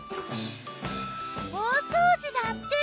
大掃除だって！